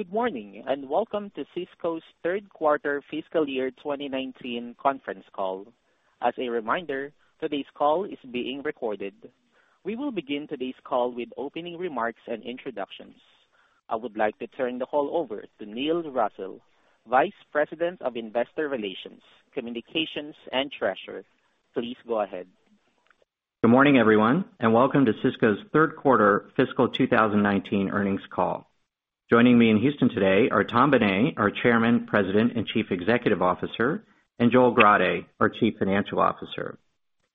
Good morning, and welcome to Sysco's third quarter fiscal year 2019 conference call. As a reminder, today's call is being recorded. We will begin today's call with opening remarks and introductions. I would like to turn the call over to Neil Russell, Vice President of Investor Relations, Communications, and Treasurer. Please go ahead. Good morning, everyone, and welcome to Sysco's third quarter fiscal 2019 earnings call. Joining me in Houston today are Tom Bené, our Chairman, President, and Chief Executive Officer, and Joel Grade, our Chief Financial Officer.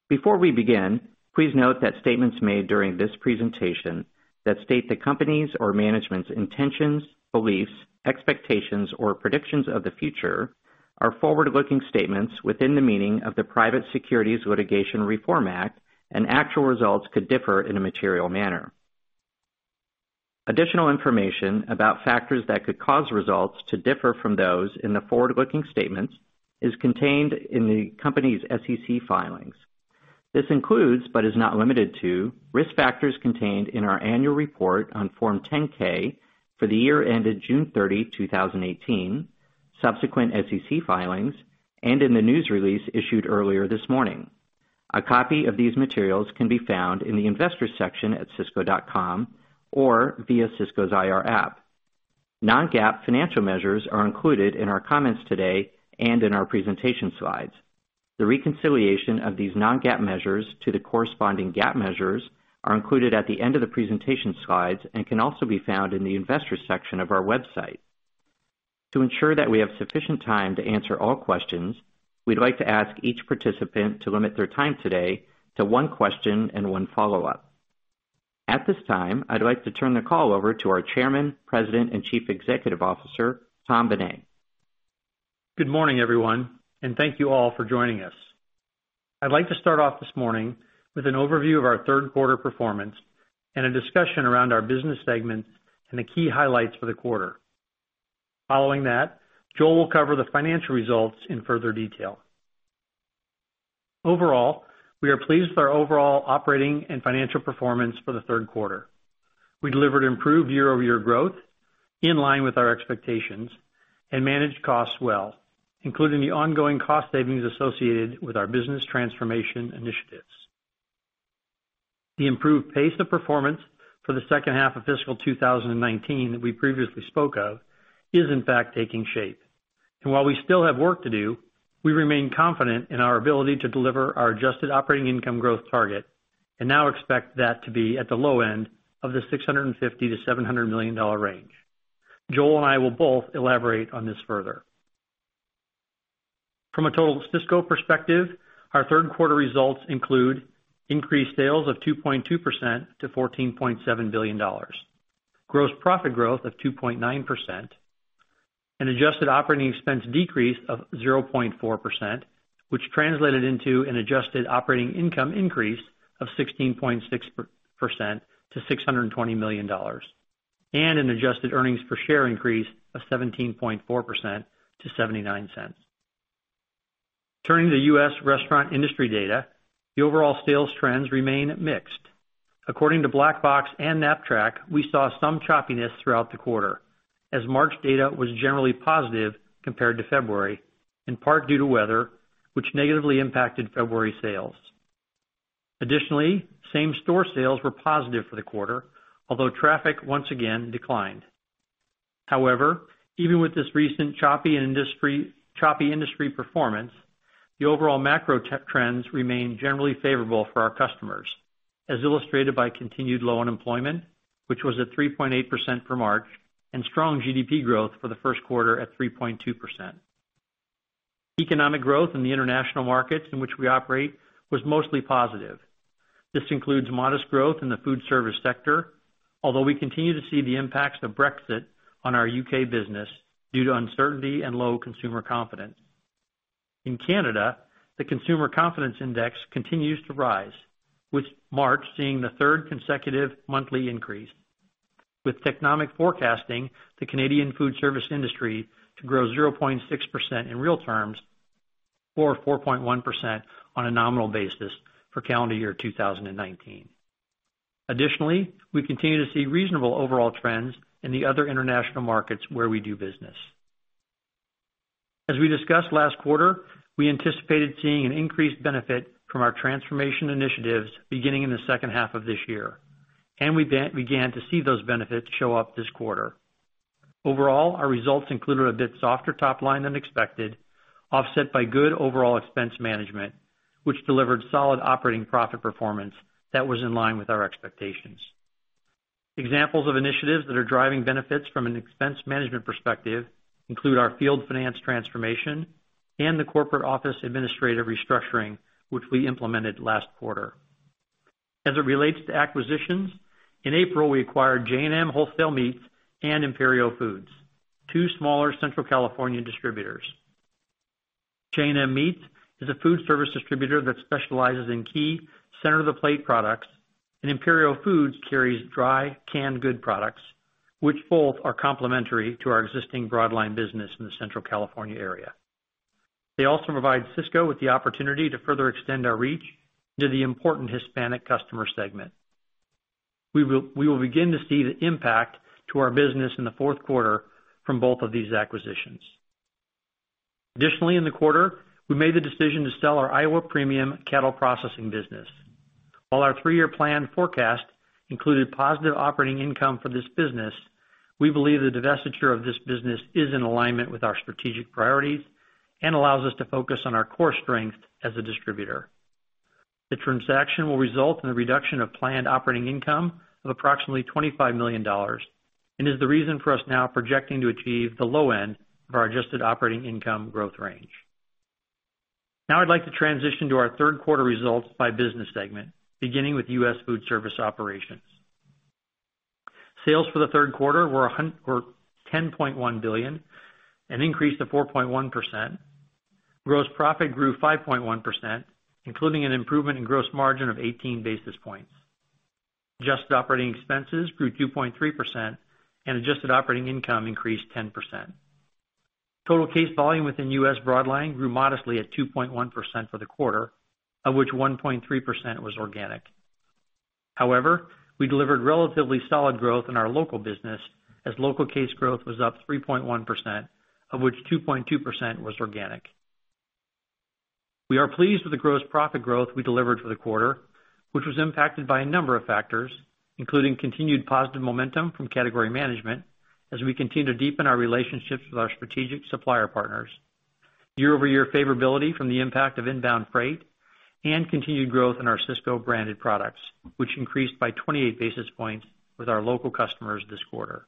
Before we begin, please note that statements made during this presentation that state the company's or management's intentions, beliefs, expectations, or predictions of the future are forward-looking statements within the meaning of the Private Securities Litigation Reform Act, and actual results could differ in a material manner. Additional information about factors that could cause results to differ from those in the forward-looking statements is contained in the company's SEC filings. This includes, but is not limited to, risk factors contained in our annual report on Form 10-K for the year ended June 30, 2018, subsequent SEC filings, and in the news release issued earlier this morning. A copy of these materials can be found in the Investors section at sysco.com or via Sysco's IR app. Non-GAAP financial measures are included in our comments today and in our presentation slides. The reconciliation of these non-GAAP measures to the corresponding GAAP measures are included at the end of the presentation slides and can also be found in the Investors section of our website. To ensure that we have sufficient time to answer all questions, we'd like to ask each participant to limit their time today to one question and one follow-up. At this time, I'd like to turn the call over to our Chairman, President, and Chief Executive Officer, Tom Bené. Good morning, everyone, and thank you all for joining us. I'd like to start off this morning with an overview of our third quarter performance and a discussion around our business segments and the key highlights for the quarter. Following that, Joel will cover the financial results in further detail. Overall, we are pleased with our overall operating and financial performance for the third quarter. We delivered improved year-over-year growth in line with our expectations and managed costs well, including the ongoing cost savings associated with our business transformation initiatives. The improved pace of performance for the second half of fiscal 2019 that we previously spoke of is in fact taking shape. While we still have work to do, we remain confident in our ability to deliver our adjusted operating income growth target and now expect that to be at the low end of the $650 million-$700 million range. Joel Grade and I will both elaborate on this further. From a total Sysco perspective, our third quarter results include increased sales of 2.2% to $14.7 billion, gross profit growth of 2.9%, an adjusted operating expense decrease of 0.4%, which translated into an adjusted operating income increase of 16.6% to $620 million, and an adjusted earnings per share increase of 17.4% to $0.79. Turning to U.S. restaurant industry data, the overall sales trends remain mixed. According to Black Box Intelligence and Knapp-Track, we saw some choppiness throughout the quarter, as March data was generally positive compared to February, in part due to weather, which negatively impacted February sales. Additionally, same-store sales were positive for the quarter, although traffic once again declined. However, even with this recent choppy industry performance, the overall macro trends remain generally favorable for our customers, as illustrated by continued low unemployment, which was at 3.8% for March, and strong GDP growth for the first quarter at 3.2%. Economic growth in the international markets in which we operate was mostly positive. This includes modest growth in the foodservice sector, although we continue to see the impacts of Brexit on our U.K. business due to uncertainty and low consumer confidence. In Canada, the consumer confidence index continues to rise, with March seeing the third consecutive monthly increase, with Technomic forecasting the Canadian foodservice industry to grow 0.6% in real terms or 4.1% on a nominal basis for calendar year 2019. Additionally, we continue to see reasonable overall trends in the other international markets where we do business. As we discussed last quarter, we anticipated seeing an increased benefit from our transformation initiatives beginning in the second half of this year, and we began to see those benefits show up this quarter. Overall, our results included a bit softer top line than expected, offset by good overall expense management, which delivered solid operating profit performance that was in line with our expectations. Examples of initiatives that are driving benefits from an expense management perspective include our field finance transformation and the corporate office administrative restructuring, which we implemented last quarter. As it relates to acquisitions, in April, we acquired J&M Wholesale Meats and Imperio Foods, Inc., two smaller Central California distributors. J&M Meats is a foodservice distributor that specializes in key center-of-the-plate products, and Imperio Foods, Inc. carries dry canned good products, which both are complementary to our existing broad line business in the Central California area. They also provide Sysco with the opportunity to further extend our reach into the important Hispanic customer segment. We will begin to see the impact to our business in the fourth quarter from both of these acquisitions. Additionally, in the quarter, we made the decision to sell our Iowa Premium cattle processing business. While our three-year plan forecast included positive operating income for this business, we believe the divestiture of this business is in alignment with our strategic priorities and allows us to focus on our core strength as a distributor. The transaction will result in a reduction of planned operating income of approximately $25 million and is the reason for us now projecting to achieve the low end of our adjusted operating income growth range. I'd like to transition to our third quarter results by business segment, beginning with U.S. Foodservice Operations. Sales for the third quarter were $10.1 billion, an increase of 4.1%. Gross profit grew 5.1%, including an improvement in gross margin of 18 basis points. Adjusted operating expenses grew 2.3%, and adjusted operating income increased 10%. Total case volume within U.S. broadline grew modestly at 2.1% for the quarter, of which 1.3% was organic. However, we delivered relatively solid growth in our local business as local case growth was up 3.1%, of which 2.2% was organic. We are pleased with the gross profit growth we delivered for the quarter, which was impacted by a number of factors, including continued positive momentum from Category Management as we continue to deepen our relationships with our strategic supplier partners, year-over-year favorability from the impact of inbound freight, and continued growth in our Sysco Brand products, which increased by 28 basis points with our local customers this quarter.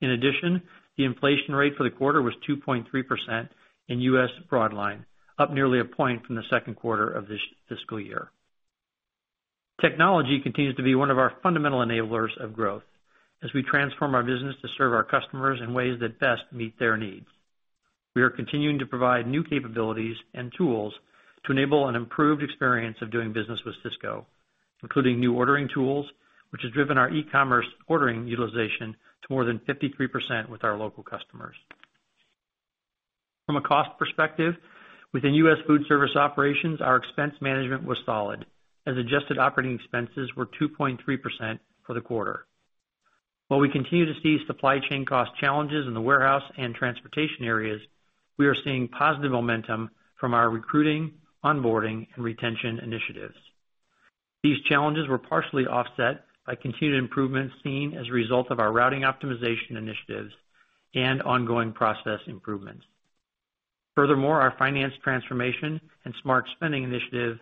The inflation rate for the quarter was 2.3% in U.S. broadline, up nearly a point from the second quarter of this fiscal year. Technology continues to be one of our fundamental enablers of growth as we transform our business to serve our customers in ways that best meet their needs. We are continuing to provide new capabilities and tools to enable an improved experience of doing business with Sysco, including new ordering tools, which has driven our e-commerce ordering utilization to more than 53% with our local customers. From a cost perspective, within U.S. Foodservice Operations, our expense management was solid, as adjusted operating expenses were 2.3% for the quarter. While we continue to see supply chain cost challenges in the warehouse and transportation areas, we are seeing positive momentum from our recruiting, onboarding, and retention initiatives. These challenges were partially offset by continued improvements seen as a result of our routing optimization initiatives and ongoing process improvements. Our finance transformation and smart spending initiative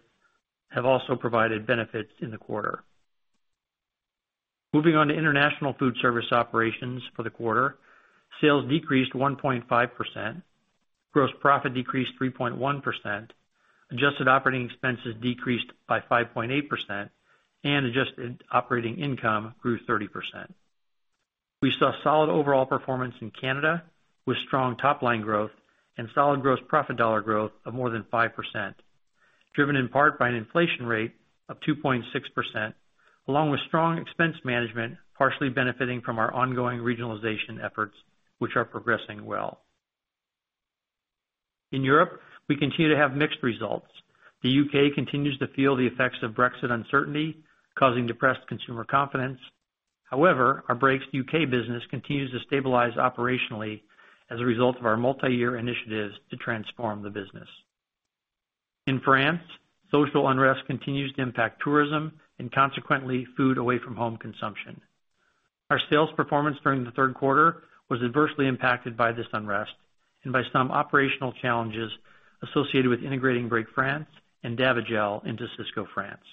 have also provided benefits in the quarter. Moving on to international foodservice operations for the quarter, sales decreased 1.5%, gross profit decreased 3.1%, adjusted operating expenses decreased by 5.8%, and adjusted operating income grew 30%. We saw solid overall performance in Canada, with strong top-line growth and solid gross profit dollar growth of more than 5%, driven in part by an inflation rate of 2.6%, along with strong expense management, partially benefiting from our ongoing Regionalization efforts, which are progressing well. In Europe, we continue to have mixed results. The U.K. continues to feel the effects of Brexit uncertainty, causing depressed consumer confidence. Our Brakes U.K. business continues to stabilize operationally as a result of our multi-year initiatives to transform the business. In France, social unrest continues to impact tourism and consequently, food away from home consumption. Our sales performance during the third quarter was adversely impacted by this unrest and by some operational challenges associated with integrating Brake France and Davigel into Sysco France.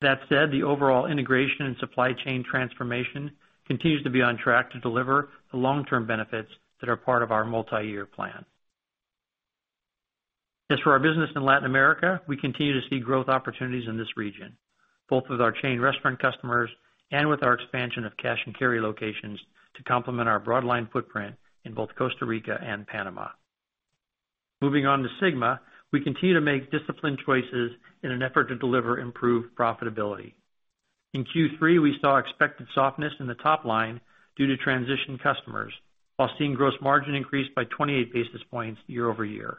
That said, the overall integration and supply chain transformation continues to be on track to deliver the long-term benefits that are part of our multi-year plan. As for our business in Latin America, we continue to see growth opportunities in this region, both with our chain restaurant customers and with our expansion of cash and carry locations to complement our broadline footprint in both Costa Rica and Panama. Moving on to Sygma, we continue to make disciplined choices in an effort to deliver improved profitability. In Q3, we saw expected softness in the top line due to transition customers, while seeing gross margin increase by 28 basis points year-over-year.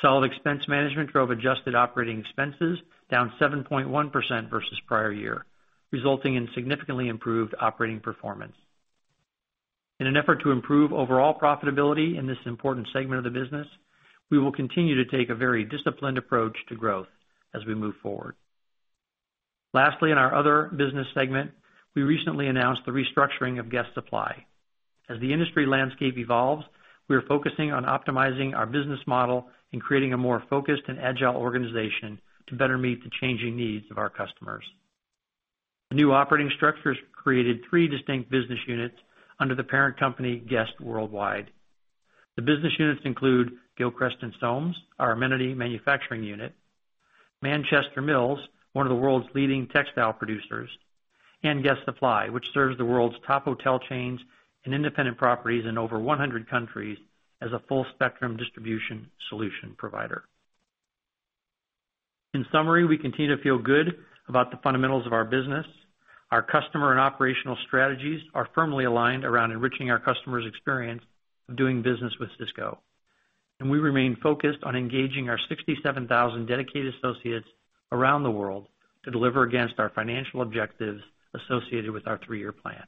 Solid expense management drove adjusted operating expenses down 7.1% versus prior year, resulting in significantly improved operating performance. In an effort to improve overall profitability in this important segment of the business, we will continue to take a very disciplined approach to growth as we move forward. Lastly, in our other business segment, we recently announced the restructuring of Guest Supply. As the industry landscape evolves, we are focusing on optimizing our business model and creating a more focused and agile organization to better meet the changing needs of our customers. The new operating structures created three distinct business units under the parent company, Guest Worldwide. The business units include Gilchrist & Soames, our amenity manufacturing unit, Manchester Mills, one of the world's leading textile producers, and Guest Supply, which serves the world's top hotel chains and independent properties in over 100 countries as a full-spectrum distribution solution provider. In summary, we continue to feel good about the fundamentals of our business. Our customer and operational strategies are firmly aligned around enriching our customer's experience of doing business with Sysco. And we remain focused on engaging our 67,000 dedicated associates around the world to deliver against our financial objectives associated with our three-year plan.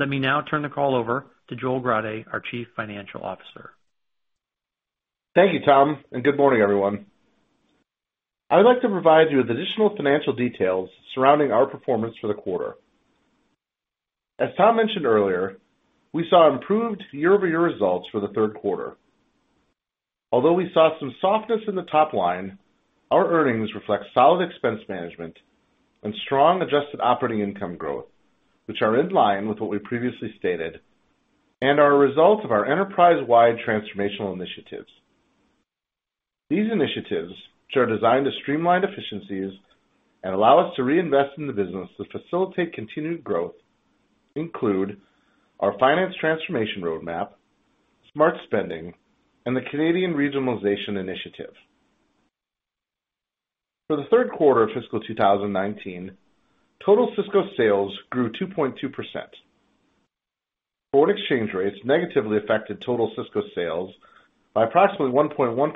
Let me now turn the call over to Joel Grade, our Chief Financial Officer. Thank you, Tom, and good morning, everyone. I would like to provide you with additional financial details surrounding our performance for the quarter. As Tom mentioned earlier, we saw improved year-over-year results for the third quarter. Although we saw some softness in the top line, our earnings reflect solid expense management and strong adjusted operating income growth, which are in line with what we previously stated and are a result of our enterprise-wide transformational initiatives. These initiatives, which are designed to streamline efficiencies and allow us to reinvest in the business to facilitate continued growth, include our finance transformation roadmap, smart spending, and the Canadian regionalization initiative. For the third quarter of fiscal 2019, total Sysco sales grew 2.2%. Foreign exchange rates negatively affected total Sysco sales by approximately 1.1%.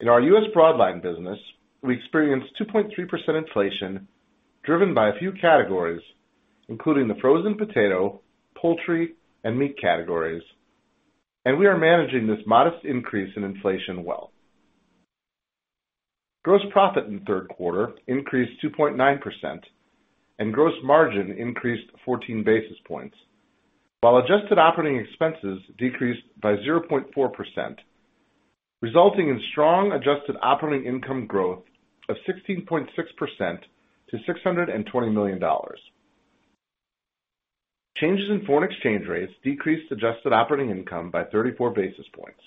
In our U.S. broadline business, we experienced 2.3% inflation, driven by a few categories, including the frozen potato, poultry, and meat categories, and we are managing this modest increase in inflation well. Gross profit in the third quarter increased 2.9%, and gross margin increased 14 basis points, while adjusted operating expenses decreased by 0.4%, resulting in strong adjusted operating income growth of 16.6% to $620 million. Changes in foreign exchange rates decreased adjusted operating income by 34 basis points.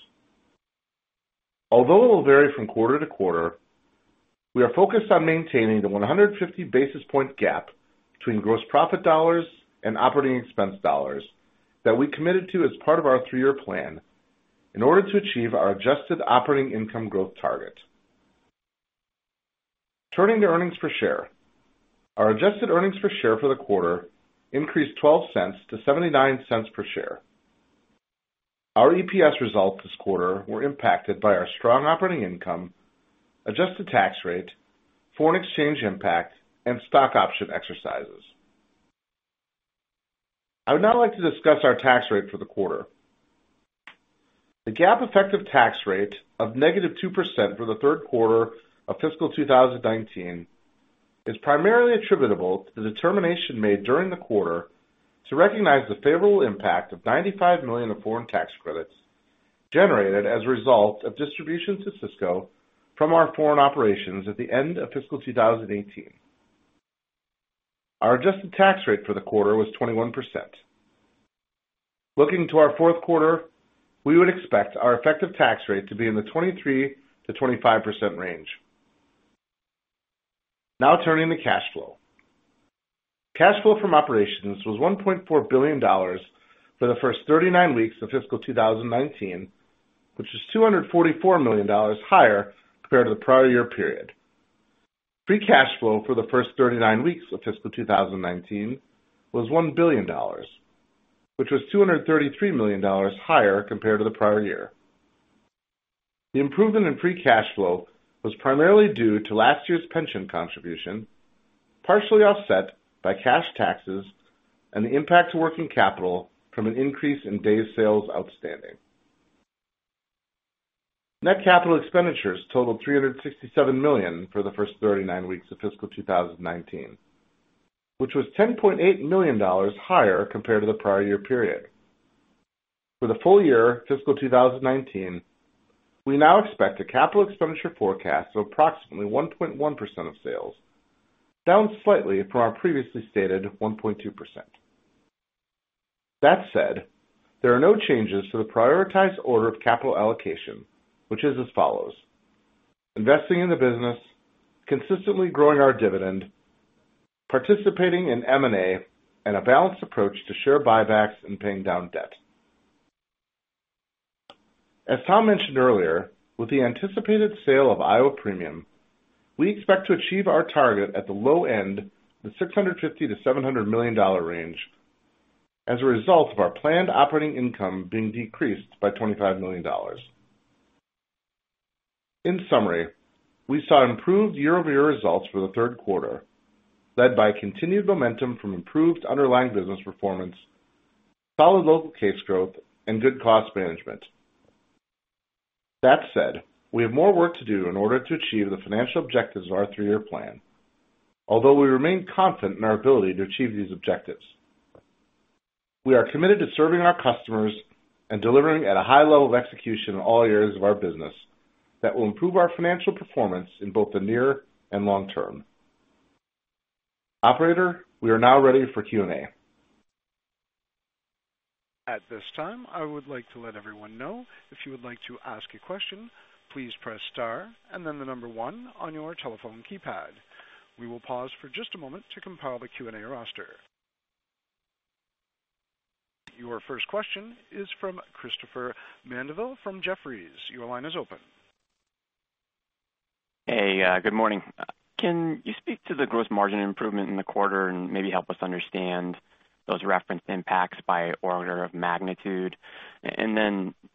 It will vary from quarter to quarter, we are focused on maintaining the 150 basis point gap between gross profit dollars and operating expense dollars that we committed to as part of our three-year plan in order to achieve our adjusted operating income growth target. Turning to earnings per share. Our adjusted earnings per share for the quarter increased $0.12 to $0.79 per share. Our EPS results this quarter were impacted by our strong operating income, adjusted tax rate, foreign exchange impact, and stock option exercises. I would now like to discuss our tax rate for the quarter. The GAAP effective tax rate of negative 2% for the third quarter of fiscal 2019 is primarily attributable to the determination made during the quarter to recognize the favorable impact of $95 million of foreign tax credits generated as a result of distribution to Sysco from our foreign operations at the end of fiscal 2018. Our adjusted tax rate for the quarter was 21%. Looking to our fourth quarter, we would expect our effective tax rate to be in the 23%-25% range. Turning to cash flow. Cash flow from operations was $1.4 billion for the first 39 weeks of fiscal 2019, which was $244 million higher compared to the prior year period. Free cash flow for the first 39 weeks of fiscal 2019 was $1 billion, which was $233 million higher compared to the prior year. The improvement in free cash flow was primarily due to last year's pension contribution, partially offset by cash taxes and the impact to working capital from an increase in days sales outstanding. Net capital expenditures totaled $367 million for the first 39 weeks of fiscal 2019, which was $10.8 million higher compared to the prior year period. For the full year fiscal 2019, we now expect a capital expenditure forecast of approximately 1.1% of sales, down slightly from our previously stated 1.2%. There are no changes to the prioritized order of capital allocation, which is as follows. Investing in the business, consistently growing our dividend, participating in M&A, and a balanced approach to share buybacks and paying down debt. As Tom mentioned earlier, with the anticipated sale of Iowa Premium, we expect to achieve our target at the low end of the $650 million-$700 million range as a result of our planned operating income being decreased by $25 million. Summary, we saw improved year-over-year results for the third quarter, led by continued momentum from improved underlying business performance, solid local case growth, and good cost management. That said, we have more work to do in order to achieve the financial objectives of our three-year plan. We remain confident in our ability to achieve these objectives. We are committed to serving our customers and delivering at a high level of execution in all areas of our business that will improve our financial performance in both the near and long term. Operator, we are now ready for Q&A. At this time, I would like to let everyone know if you would like to ask a question, please press star and then the number one on your telephone keypad. We will pause for just a moment to compile the Q&A roster. Your first question is from Christopher Mandeville from Jefferies. Your line is open. Hey, good morning. Can you speak to the gross margin improvement in the quarter and maybe help us understand those referenced impacts by order of magnitude?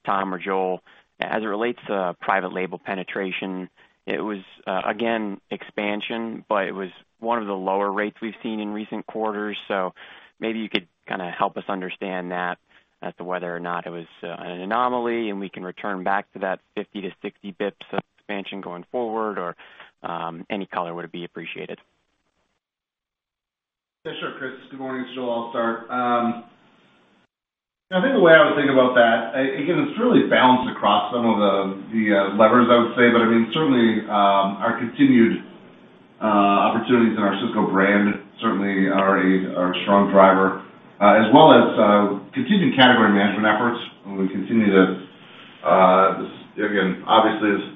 Tom or Joel, as it relates to private label penetration, it was again expansion, but it was one of the lower rates we've seen in recent quarters. Maybe you could help us understand that as to whether or not it was an anomaly and we can return back to that 50 to 60 basis points of expansion going forward, or any color would be appreciated. Sure, Chris. Good morning. It's Joel. I'll start. I think the way I would think about that, again, it's really balanced across some of the levers, I would say. Certainly, our continued opportunities in our Sysco Brand certainly are a strong driver, as well as continuing Category Management efforts. We continue to obviously,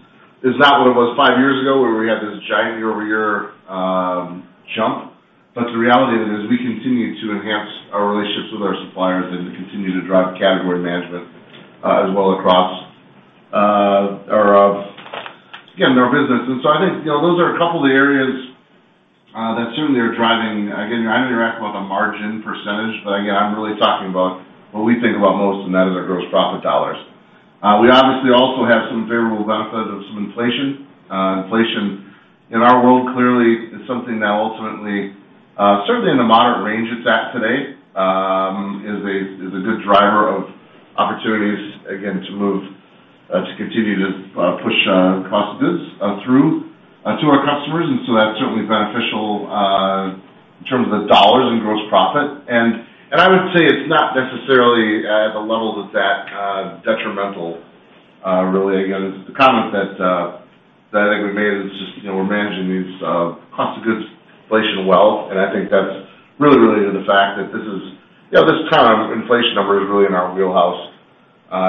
it's not what it was five years ago where we had this giant year-over-year jump. The reality of it is we continue to enhance our relationships with our suppliers and continue to drive Category Management as well across our business. I think those are a couple of the areas that certainly are driving. Again, I don't interact with a margin percentage, but again, I'm really talking about what we think about most, and that is our gross profit dollars. We obviously also have some favorable benefit of some inflation. Inflation in our world clearly is something that ultimately, certainly in the moderate range it's at today, is a good driver of opportunities, again, to continue to push cost of goods through to our customers. That's certainly beneficial in terms of the dollars in gross profit. I would say it's not necessarily at the levels that's that detrimental, really. Again, the comment that I think we've made is just we're managing these cost of goods inflation well, and I think that's really related to the fact that this kind of inflation number is really in our wheelhouse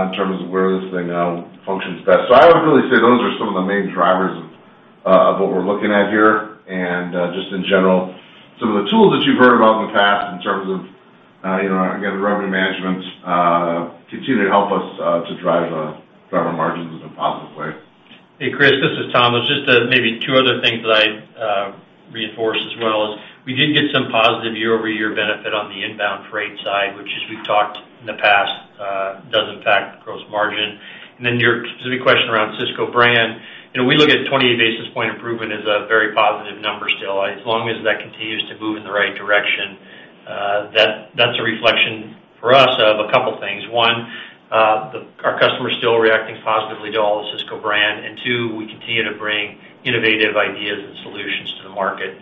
in terms of where this thing functions best. I would really say those are some of the main drivers of what we're looking at here. Just in general, some of the tools that you've heard about in the past in terms of, again, revenue management continue to help us to drive our margins in a positive way. Hey, Chris, this is Tom. Just maybe two other things that I'd reinforce as well. We did get some positive year-over-year benefit on the inbound freight side, which as we've talked in the past, does impact the gross margin. To your question around Sysco Brand, we look at 20 basis point improvement as a very positive number still. As long as that continues to move in the right direction, that's a reflection for us of a couple things. One, our customers still are reacting positively to all the Sysco Brand. Two, we continue to bring innovative ideas and solutions to the market.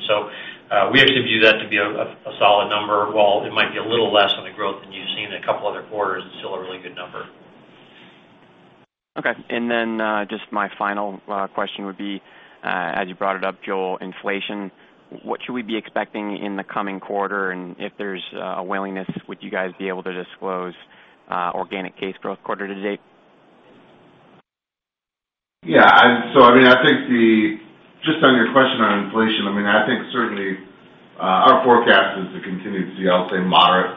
We actually view that to be a solid number. While it might be a little less on the growth than you've seen in a couple other quarters, it's still a really good number. Okay. Just my final question would be, as you brought it up, Joel, inflation, what should we be expecting in the coming quarter? If there's a willingness, would you guys be able to disclose organic case growth quarter to date? Yeah. I think just on your question on inflation, I think certainly our forecast is to continue to see, I'll say, moderate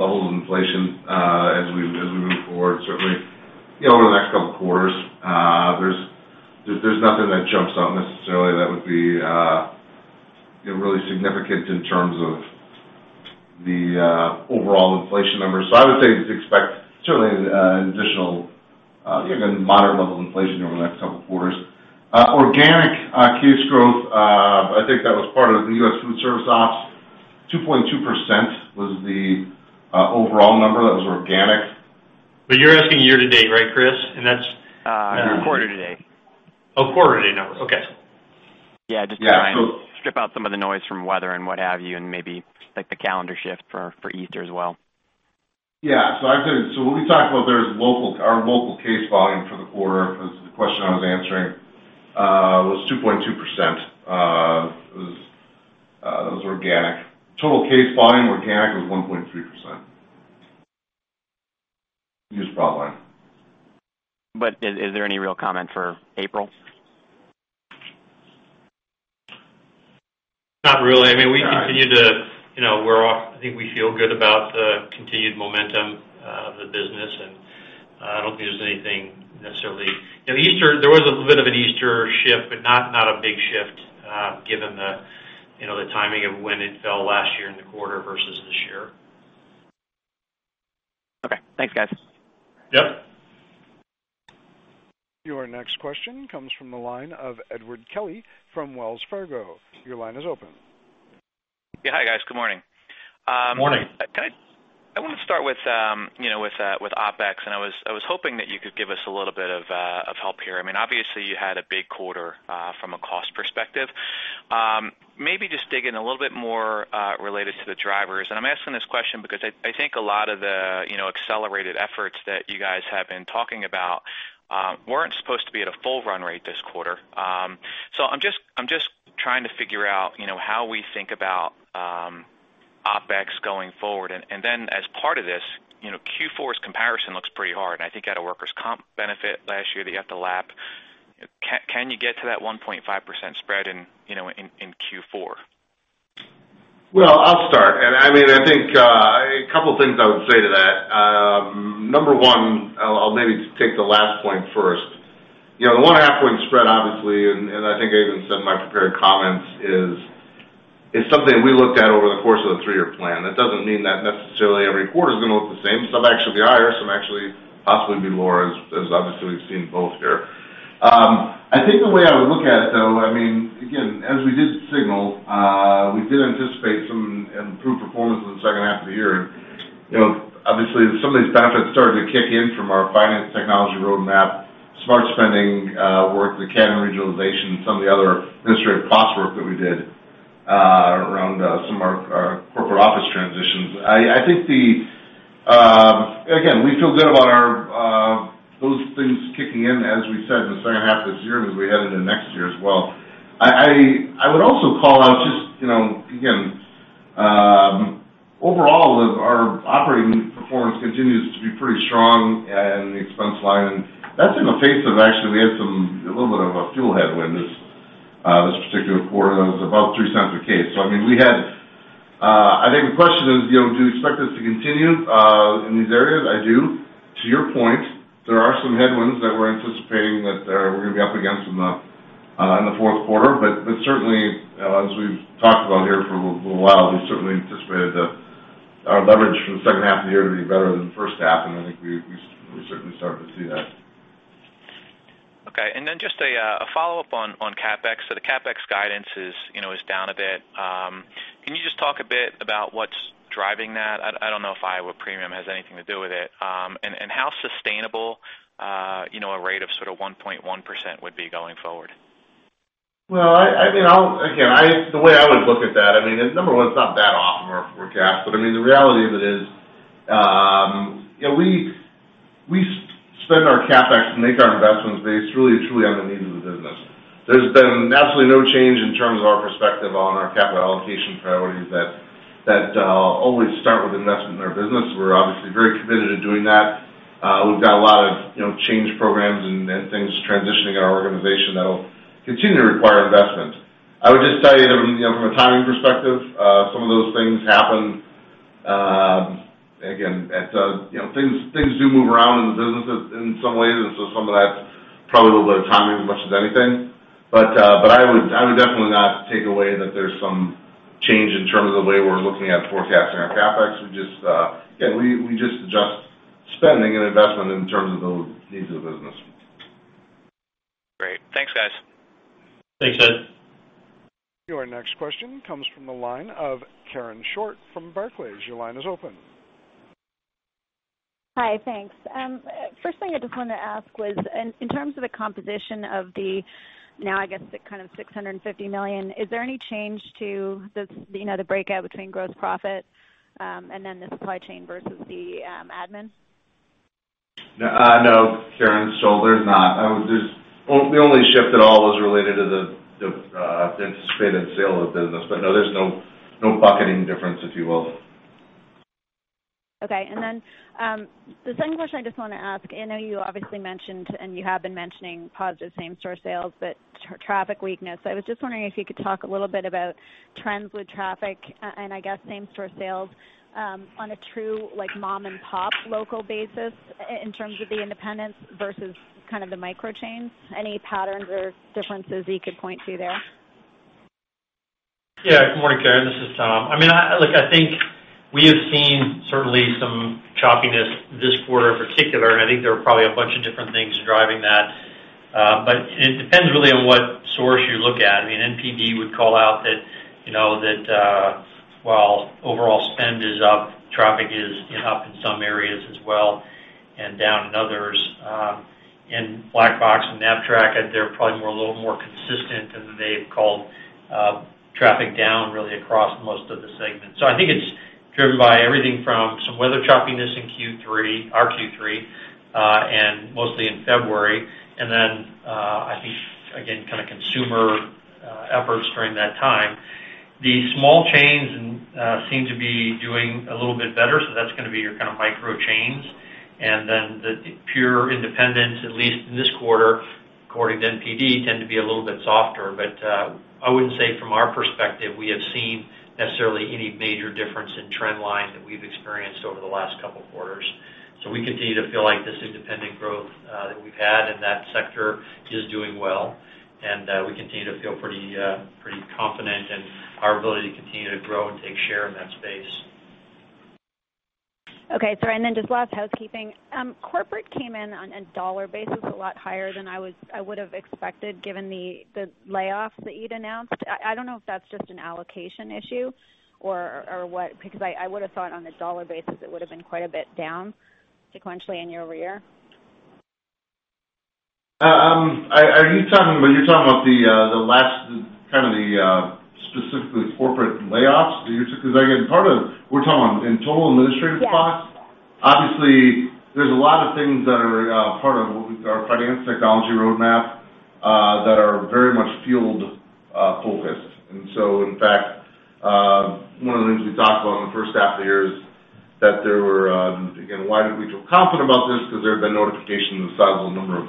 levels of inflation as we move forward. Certainly, over the next couple quarters, there's nothing that jumps out necessarily that would be really significant in terms of the overall inflation numbers. I would say to expect certainly an additional moderate level of inflation over the next couple quarters. Organic case growth, I think that was part of the U.S. Foodservice ops, 2.2% was the overall number that was organic. You're asking year to date, right, Chris? Quarter to date. Quarter to date numbers. Okay. Yeah. Just to strip out some of the noise from weather and what have you and maybe like the calendar shift for Easter as well. Yeah. When we talk about our local case volume for the quarter, because the question I was answering, was 2.2%. That was organic. Total case volume organic was 1.3%. Use top line. Is there any real comment for April? Not really. I think we feel good about the continued momentum of the business. I don't think there's anything necessarily. There was a bit of an Easter shift, but not a big shift given the timing of when it fell last year in the quarter versus this year. Okay. Thanks, guys. Yep. Your next question comes from the line of Edward Kelly from Wells Fargo. Your line is open. Yeah. Hi, guys. Good morning. Morning. I want to start with OpEx, I was hoping that you could give us a little bit of help here. Obviously, you had a big quarter from a cost perspective. Maybe just dig in a little bit more related to the drivers. I'm asking this question because I think a lot of the accelerated efforts that you guys have been talking about weren't supposed to be at a full run rate this quarter. I'm just trying to figure out how we think about OpEx going forward. As part of this, Q4's comparison looks pretty hard, and I think you had a workers' comp benefit last year that you have to lap. Can you get to that 1.5% spread in Q4? Well, I'll start. A couple things I would say to that. Number 1, I'll maybe take the last point first. The one half point spread, obviously, and I think I even said in my prepared comments, is something we looked at over the course of the three-year plan. That doesn't mean that necessarily every quarter is going to look the same. Some actually be higher, some actually possibly be lower, as obviously we've seen both here. I think the way I would look at it, though, again, as we did signal, we did anticipate some improved performance in the second half of the year. Obviously, some of these benefits started to kick in from our finance technology roadmap, smart spending work, the Canadian regionalization, and some of the other administrative cost work that we did around some of our corporate office transitions. We feel good about those things kicking in, as we said, in the second half of this year and as we head into next year as well. I would also call out just, again, overall, our operating performance continues to be pretty strong in the expense line, and that's in the face of actually, we had a little bit of a fuel headwind this particular quarter that was about $0.03 a case. I think the question is, do we expect this to continue in these areas? I do. To your point, there are some headwinds that we're anticipating that we're going to be up against in the fourth quarter. Certainly, as we've talked about here for a little while, we certainly anticipated our leverage from the second half of the year to be better than the first half, and I think we're certainly starting to see that. Just a follow-up on CapEx. The CapEx guidance is down a bit. Can you just talk a bit about what's driving that? I don't know if Iowa Premium has anything to do with it. How sustainable a rate of sort of 1.1% would be going forward? The way I would look at that, number 1, it's not that off from our forecast. The reality of it is we spend our CapEx and make our investments based truly on the needs of the business. There's been absolutely no change in terms of our perspective on our capital allocation priorities that always start with investment in our business. We're obviously very committed to doing that. We've got a lot of change programs and things transitioning in our organization that will continue to require investment. I would just tell you from a timing perspective, some of those things happen. Things do move around in the business in some ways, some of that's probably a little bit of timing as much as anything. I would definitely not take away that there's some change in terms of the way we're looking at forecasting our CapEx. We just adjust spending and investment in terms of the needs of the business. Great. Thanks, guys. Thanks, Ed. Your next question comes from the line of Karen Short from Barclays. Your line is open. Hi, thanks. First thing I just wanted to ask was, in terms of the composition of the now, I guess, the kind of $650 million, is there any change to the breakout between gross profit and then the supply chain versus the admin? No, Karen. There's not. The only shift at all was related to the anticipated sale of the business. No, there's no bucketing difference, if you will. Okay. The second question I just want to ask, I know you obviously mentioned, and you have been mentioning positive same-store sales, but traffic weakness. I was just wondering if you could talk a little bit about trends with traffic and I guess same-store sales on a true mom-and-pop local basis in terms of the independents versus kind of the micro chains. Any patterns or differences you could point to there? Yeah. Good morning, Karen. This is Tom. Look, I think we have seen certainly some choppiness this quarter in particular, and I think there are probably a bunch of different things driving that. It depends really on what source you look at. NPD would call out that while overall spend is up, traffic is up in some areas as well and down in others. Black Box and Knapp-Track, they're probably a little more consistent, and they've called traffic down really across most of the segments. I think it's driven by everything from some weather choppiness in our Q3, and mostly in February, and then I think, again, kind of consumer efforts during that time. The small chains seem to be doing a little bit better, so that's going to be your kind of micro chains. The pure independents, at least in this quarter, according to NPD, tend to be a little bit softer. I wouldn't say from our perspective, we have seen necessarily any major difference in trend line that we've experienced over the last couple of quarters. We continue to feel like this independent growth that we've had in that sector is doing well, and we continue to feel pretty confident in our ability to continue to grow and take share in that space. Sorry, just last housekeeping. Corporate came in on a dollar basis, a lot higher than I would've expected given the layoffs that you'd announced. I don't know if that's just an allocation issue or what, because I would've thought on a dollar basis, it would've been quite a bit down sequentially and year-over-year. Are you talking about the last specifically corporate layoffs that you took? Again, we're talking in total administrative costs. Yeah. Obviously, there's a lot of things that are part of what we call our finance technology roadmap that are very much field focused. In fact, there were, again, why we feel confident about this, because there have been notifications of a sizable number of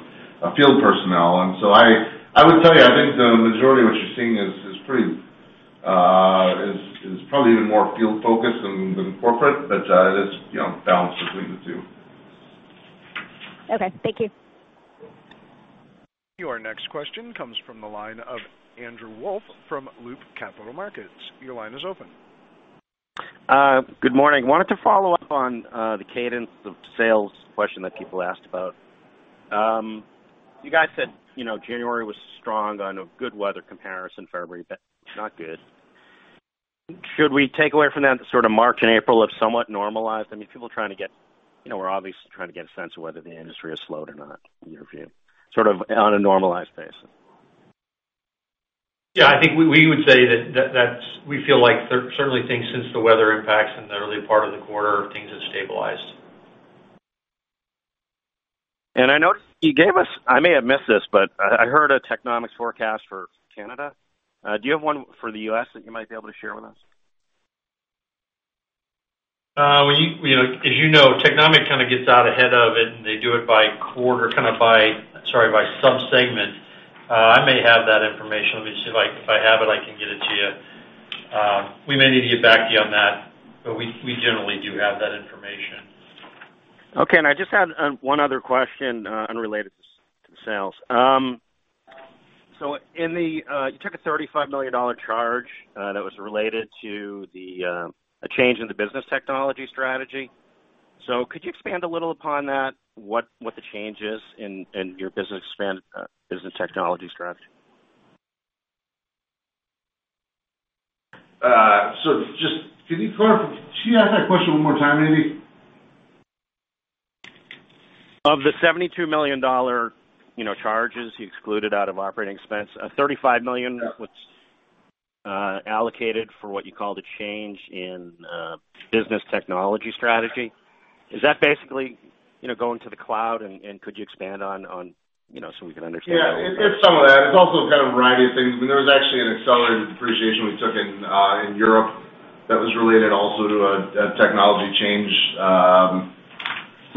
field personnel. I would tell you, I think the majority of what you're seeing is probably even more field-focused than corporate, but it is balanced between the two. Thank you. Your next question comes from the line of Andrew Wolf from Loop Capital Markets. Your line is open. Good morning. I wanted to follow up on the cadence of sales question that people asked about. You guys said January was strong on a good weather comparison, February not good. Should we take away from that sort of March and April have somewhat normalized? People are obviously trying to get a sense of whether the industry has slowed or not, in your view, sort of on a normalized basis. Yeah, I think we would say that we feel like certainly things since the weather impacts in the early part of the quarter, things have stabilized. I noticed you gave us, I may have missed this, but I heard a Technomic forecast for Canada. Do you have one for the U.S. that you might be able to share with us? As you know, Technomic kind of gets out ahead of it, they do it by quarter, kind of by subsegment. I may have that information. Let me see if I have it, I can get it to you. We may need to get back to you on that, we generally do have that information. Okay. I just had one other question unrelated to sales. You took a $35 million charge that was related to a change in the business technology strategy. Could you expand a little upon that? What the change is in your business technology strategy? Can she ask that question one more time, maybe? Of the $72 million charges you excluded out of operating expense, $35 million was allocated for what you call the change in business technology strategy. Is that basically going to the cloud? Could you expand on so we can understand that a little bit? Yeah, it's some of that. It's also kind of a variety of things. There was actually an accelerated depreciation we took in Europe that was related also to a technology change.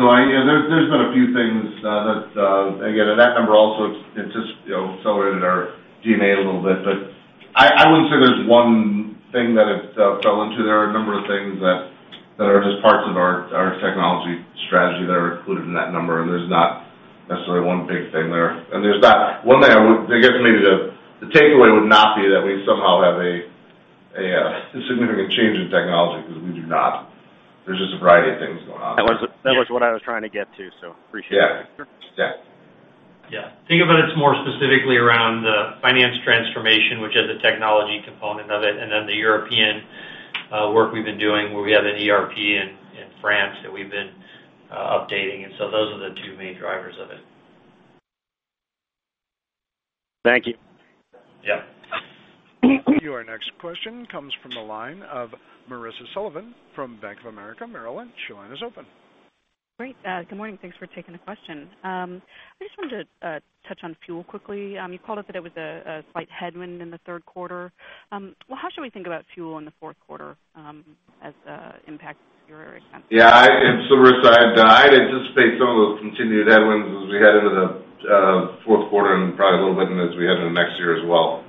There's been a few things that, again, and that number also accelerated our GMA little bit, but I wouldn't say there's one thing that it fell into. There are a number of things that are just parts of our technology strategy that are included in that number, and there's not necessarily one big thing there. I guess maybe the takeaway would not be that we somehow have a significant change in technology, because we do not. There's just a variety of things going on. That was what I was trying to get to, so appreciate it. Yeah. Yeah. Think of it as more specifically around the finance transformation, which has a technology component of it, and then the European work we've been doing where we have an ERP in France that we've been updating. Those are the two main drivers of it. Thank you. Yeah. Your next question comes from the line of Marisa Sullivan from Bank of America Merrill Lynch. Your line is open. Great. Good morning. Thanks for taking the question. I just wanted to touch on fuel quickly. You called it that it was a slight headwind in the third quarter. How should we think about fuel in the fourth quarter as it impacts your expenses? Marisa, I'd anticipate some of those continued headwinds as we head into the fourth quarter and probably a little bit as we head into next year as well.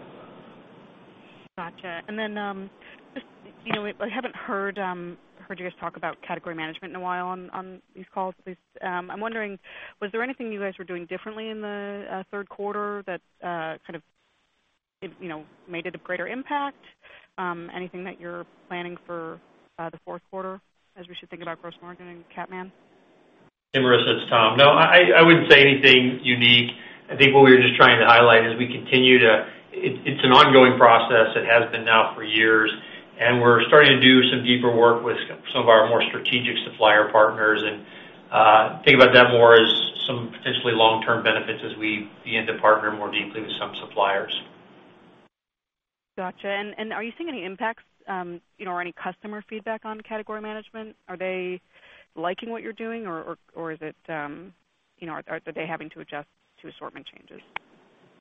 Gotcha. I haven't heard you guys talk about category management in a while on these calls. I'm wondering, was there anything you guys were doing differently in the third quarter that kind of made it of greater impact? Anything that you're planning for the fourth quarter as we should think about gross margin in Cat Man? Hey, Marisa, it's Tom. No, I wouldn't say anything unique. I think what we were just trying to highlight is it's an ongoing process. It has been now for years, and we're starting to do some deeper work with some of our more strategic supplier partners and think about that more as some potentially long-term benefits as we begin to partner more deeply with some suppliers. Got you. Are you seeing any impacts or any customer feedback on category management? Are they liking what you're doing, or are they having to adjust to assortment changes?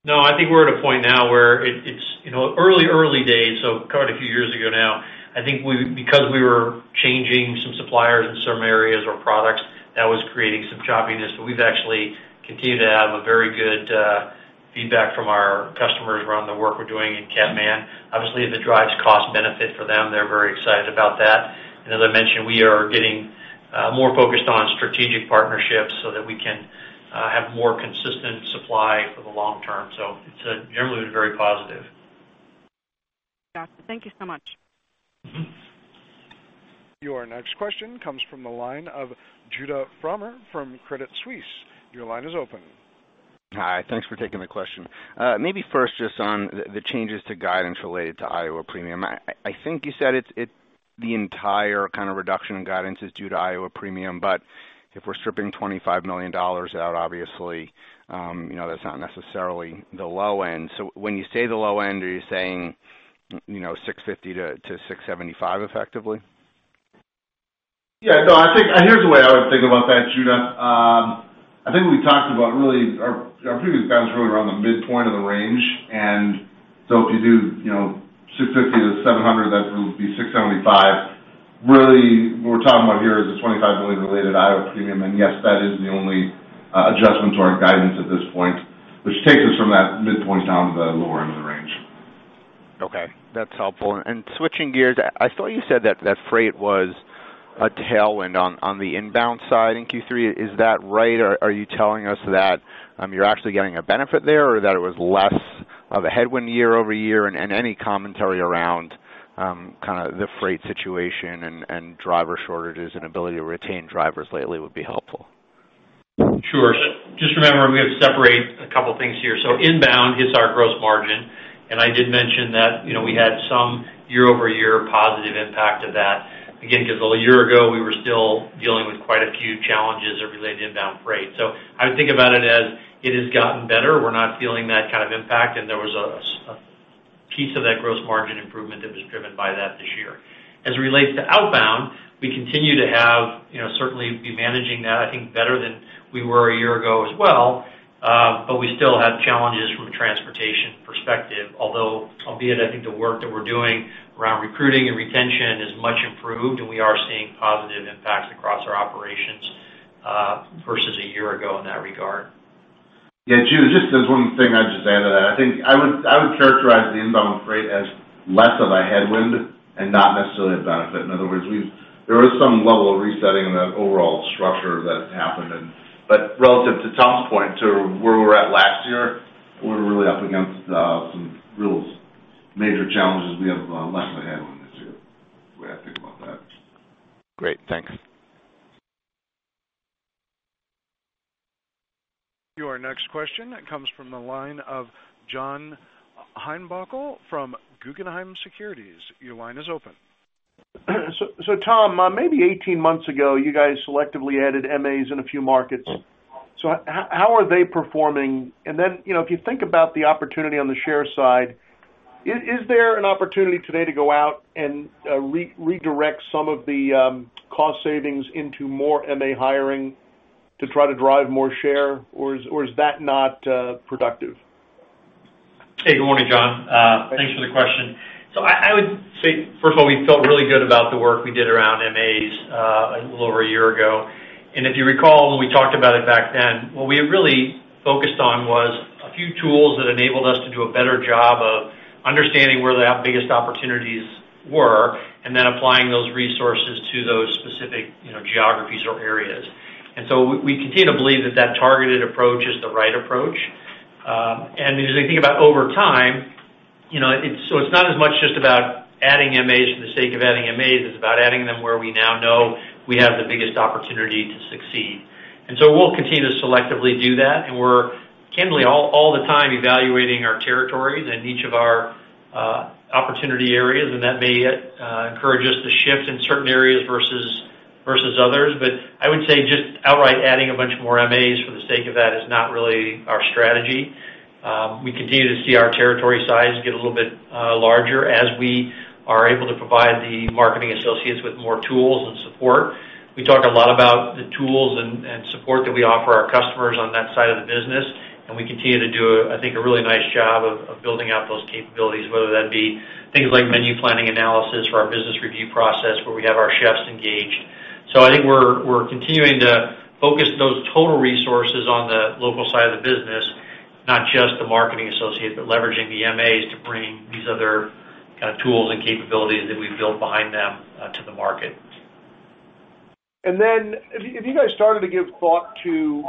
No, I think we're at a point now where it's early days. Quite a few years ago now, I think because we were changing some suppliers in some areas or products, that was creating some choppiness. We've actually continued to have a very good feedback from our customers around the work we're doing in Cat Man. Obviously, if it drives cost benefit for them, they're very excited about that. As I mentioned, we are getting more focused on strategic partnerships so that we can have more consistent supply for the long term. It's generally been very positive. Gotcha. Thank you so much. Your next question comes from the line of Judah Frommer from Credit Suisse. Your line is open. Hi. Thanks for taking the question. Maybe first, just on the changes to guidance related to Iowa Premium. I think you said the entire kind of reduction in guidance is due to Iowa Premium. If we're stripping $25 million out, obviously, that's not necessarily the low end. When you say the low end, are you saying $6.50 to $6.75 effectively? Yeah, no, I think. I think we talked about our previous guidance really around the midpoint of the range. If you do $6.50 to $7.00, that would be $6.75. What we're talking about here is a $25 million related Iowa Premium, and yes, that is the only adjustment to our guidance at this point, which takes us from that midpoint down to the lower end of the range. Okay, that's helpful. Switching gears, I saw you said that freight was a tailwind on the inbound side in Q3. Is that right? Are you telling us that you're actually getting a benefit there or that it was less of a headwind year-over-year? Any commentary around the freight situation and driver shortages and ability to retain drivers lately would be helpful. Sure. Just remember, we have to separate a couple of things here. Inbound hits our gross margin, I did mention that we had some year-over-year positive impact of that, again, because a year ago, we were still dealing with quite a few challenges that related to inbound freight. I would think about it as it has gotten better. We're not feeling that kind of impact, and there was a piece of that gross margin improvement that was driven by that this year. As it relates to outbound, we continue to certainly be managing that, I think, better than we were a year ago as well. We still have challenges from a transportation perspective, although, albeit, I think the work that we're doing around recruiting and retention is much improved, and we are seeing positive impacts across our operations versus a year ago in that regard. Yeah, Jude, just as one thing I'd just add to that, I think I would characterize the inbound freight as less of a headwind and not necessarily a benefit. In other words, there is some level of resetting in the overall structure that has happened. Relative to Tom's point to where we were at last year, we're really up against some real major challenges. We have less of a headwind this year, the way I think about that. Great. Thanks. Your next question comes from the line of John Heinbockel from Guggenheim Securities. Your line is open. Tom, maybe 18 months ago, you guys selectively added MAs in a few markets. How are they performing? Then, if you think about the opportunity on the share side, is there an opportunity today to go out and redirect some of the cost savings into more MA hiring to try to drive more share, or is that not productive? Hey, good morning, John. Thanks for the question. I would say, first of all, we felt really good about the work we did around MAs a little over a year ago. If you recall, when we talked about it back then, what we really focused on was a few tools that enabled us to do a better job of understanding where the biggest opportunities were then applying those resources to those specific geographies or areas. We continue to believe that that targeted approach is the right approach. As I think about over time, it's not as much just about adding MAs for the sake of adding MAs. It's about adding them where we now know we have the biggest opportunity to succeed. We'll continue to selectively do that, and we're candidly all the time evaluating our territories and each of our opportunity areas, and that may encourage us to shift in certain areas versus others. I would say just outright adding a bunch more MAs for the sake of that is not really our strategy. We continue to see our territory size get a little bit larger as we are able to provide the Marketing Associates with more tools and support. We talk a lot about the tools and support that we offer our customers on that side of the business, and we continue to do, I think, a really nice job of building out those capabilities, whether that be things like menu planning analysis for our business review process, where we have our chefs engaged. I think we're continuing to focus those total resources on the local side of the business, not just the marketing associate, but leveraging the MAs to bring these other tools and capabilities that we've built behind them to the market. Have you guys started to give thought to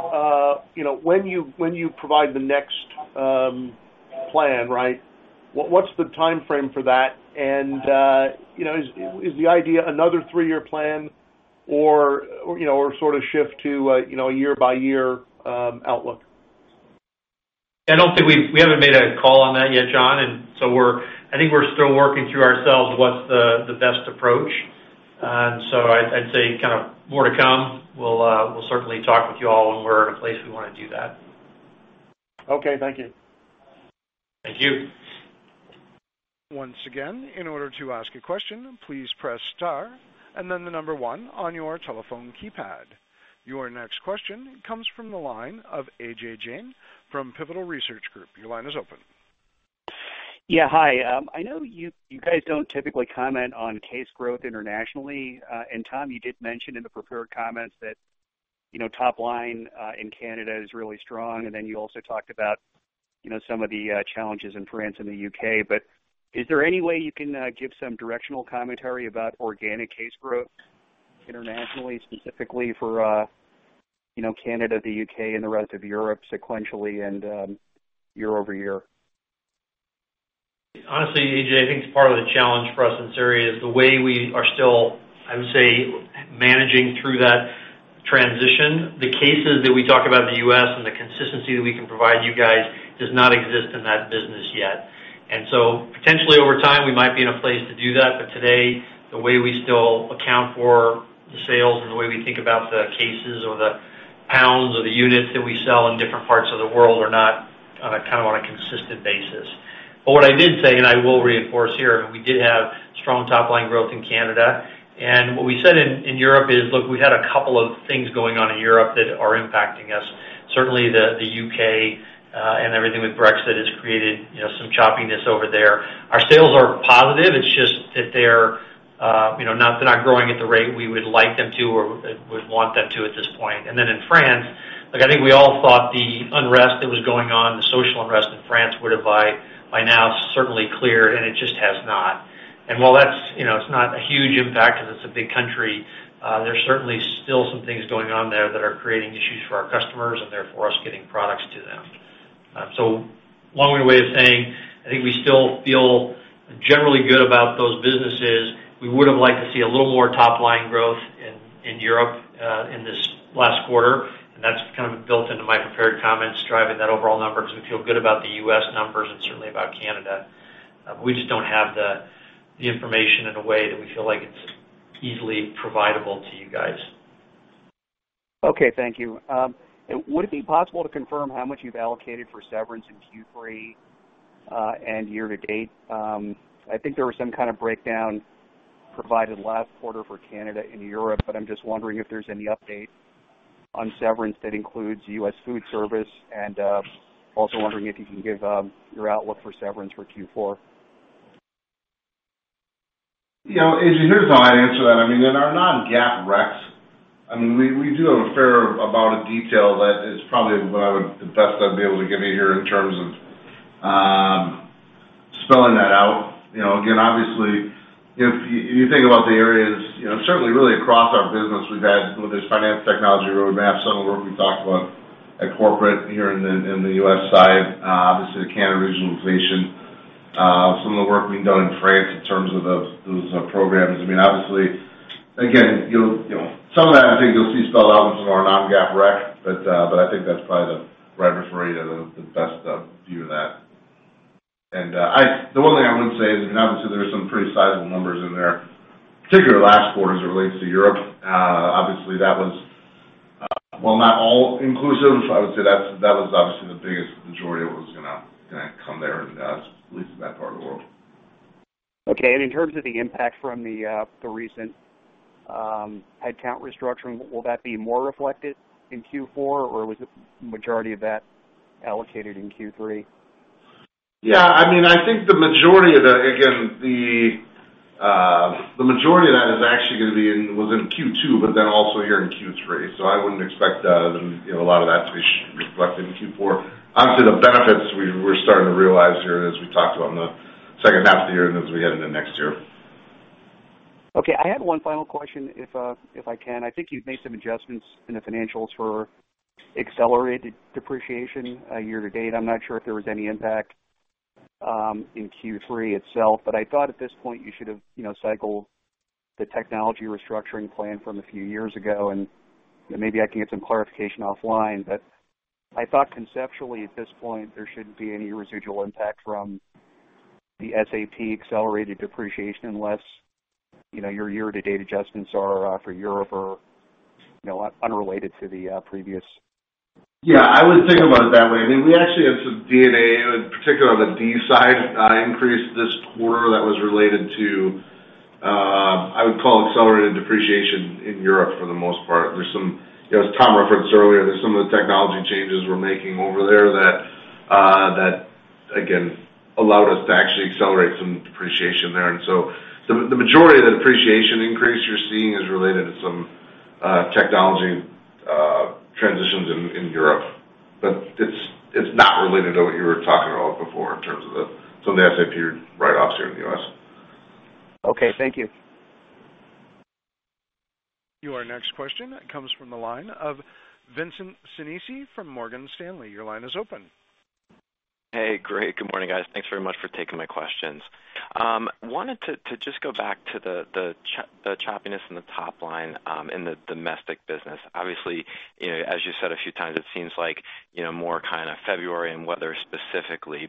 when you provide the next plan, what's the timeframe for that? Is the idea another three-year plan or sort of shift to a year-by-year outlook? I don't think We haven't made a call on that yet, John. I think we're still working through ourselves what's the best approach. I'd say more to come. We'll certainly talk with you all when we're in a place we want to do that. Okay. Thank you. Thank you. Once again, in order to ask a question, please press star and then the number one on your telephone keypad. Your next question comes from the line of Ajay Jain from Pivotal Research Group. Your line is open. Yeah. Hi. I know you guys don't typically comment on case growth internationally. Tom, you did mention in the prepared comments that top line in Canada is really strong. Then you also talked about some of the challenges in France and the U.K. Is there any way you can give some directional commentary about organic case growth internationally, specifically for Canada, the U.K., and the rest of Europe sequentially and year-over-year? Honestly, AJ, I think it's part of the challenge for us in this area is the way we are still, I would say, managing through that transition. The cases that we talk about in the U.S. and the consistency that we can provide you guys does not exist in that business yet. So potentially over time, we might be in a place to do that. Today, the way we still account for the sales and the way we think about the cases or the pounds or the units that we sell. What I did say, and I will reinforce here, we did have strong top-line growth in Canada. What we said in Europe is, look, we had a couple of things going on in Europe that are impacting us. Certainly, the U.K. and everything with Brexit has created some choppiness over there. Our sales are positive. It's just that they're not growing at the rate we would like them to or would want them to at this point. Then in France, I think we all thought the unrest that was going on, the social unrest in France, would have by now certainly cleared, and it just has not. While it's not a huge impact because it's a big country, there's certainly still some things going on there that are creating issues for our customers and therefore us getting products to them. Long-winded way of saying, I think we still feel generally good about those businesses. We would have liked to see a little more top-line growth in Europe in this last quarter, and that's kind of built into my prepared comments, driving that overall number because we feel good about the U.S. numbers and certainly about Canada. We just don't have the information in a way that we feel like it's easily provide-able to you guys. Okay, thank you. Would it be possible to confirm how much you've allocated for severance in Q3 and year to date? I think there was some kind of breakdown provided last quarter for Canada and Europe, but I'm just wondering if there's any update on severance that includes U.S. Foodservice, and also wondering if you can give your outlook for severance for Q4. AJ, here's how I'd answer that. In our non-GAAP recs, we do have a fair amount of detail that is probably the best I'd be able to give you here in terms of spelling that out. Obviously, if you think about the areas, certainly really across our business, there's finance technology roadmap, some of the work we talked about at corporate here in the U.S. side. Obviously, the Canadian regionalization. Some of the work being done in France in terms of those programs. Obviously, again, some of that, I think you'll see spelled out in some of our non-GAAP rec, but I think that's probably the right way for you to the best view of that. The one thing I would say is, obviously, there are some pretty sizable numbers in there, particularly last quarter, as it relates to Europe. Obviously, that was, while not all inclusive, I would say that was obviously the biggest majority of what was going to come there, at least in that part of the world. Okay, in terms of the impact from the recent headcount restructuring, will that be more reflected in Q4, or was the majority of that allocated in Q3? Yeah, I think the majority of that is actually going to be within Q2, but then also here in Q3. I wouldn't expect a lot of that to be reflected in Q4. Obviously, the benefits we're starting to realize here, as we talked about in the second half of the year and as we head into next year. Okay, I had one final question, if I can. I think you've made some adjustments in the financials for accelerated depreciation year to date. I'm not sure if there was any impact in Q3 itself, but I thought at this point you should have cycled the technology restructuring plan from a few years ago. Maybe I can get some clarification offline. I thought conceptually at this point, there shouldn't be any residual impact from the SAP accelerated depreciation unless your year-to-date adjustments are for Europe or unrelated to the previous-. Yeah, I would think about it that way. We actually had some D&A, in particular on the D side, increase this quarter that was related to, I would call accelerated depreciation in Europe, for the most part. As Tom referenced earlier, there's some of the technology changes we're making over there that, again, allowed us to actually accelerate some depreciation there. The majority of the depreciation increase you're seeing is related to some technology transitions in Europe. It's not related to what you were talking about before in terms of some of the SAP write-offs here in the U.S. Okay, thank you. Your next question comes from the line of Vincent Sinisi from Morgan Stanley. Your line is open. Hey, great. Good morning, guys. Thanks very much for taking my questions. Wanted to just go back to the choppiness in the top line in the domestic business. Obviously, as you said a few times, it seems like more kind of February and weather specifically.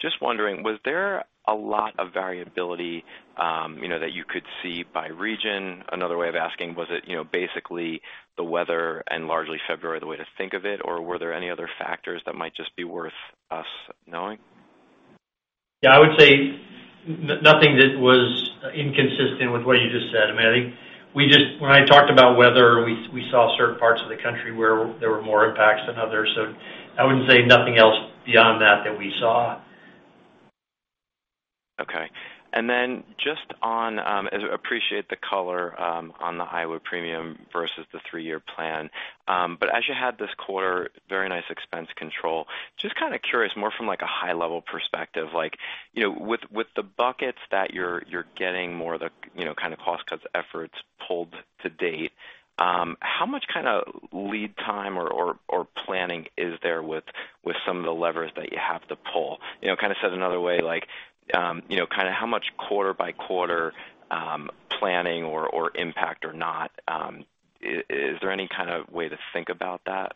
Just wondering, was there a lot of variability that you could see by region? Another way of asking, was it basically the weather and largely February, the way to think of it, or were there any other factors that might just be worth us knowing? Yeah, I would say nothing that was inconsistent with what you just said. When I talked about weather, we saw certain parts of the country where there were more impacts than others. I would say nothing else beyond that that we saw. Okay. Just on-- I appreciate the color on the Iowa Premium versus the three-year plan. As you had this quarter, very nice expense control. Just kind of curious, more from a high level perspective, with the buckets that you're getting more of the cost cuts efforts pulled to date, how much lead time or planning is there with some of the levers that you have to pull? Kind of said another way, how much quarter by quarter planning or impact or not? Is there any kind of way to think about that?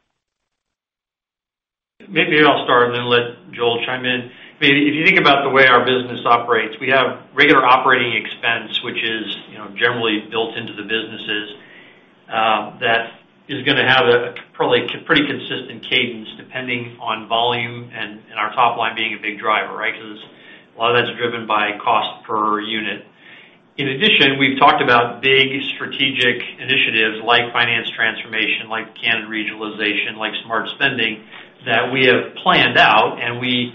Maybe I'll start and then let Joel chime in. If you think about the way our business operates, we have regular operating expense, which is generally built into the is going to have a probably pretty consistent cadence depending on volume and our top line being a big driver, right? Because a lot of that's driven by cost per unit. In addition, we've talked about big strategic initiatives like finance transformation, like Canadian regionalization, like smart spending, that we have planned out, and we